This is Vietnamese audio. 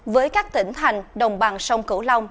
với các tỉnh thành đồng bằng sông cửu long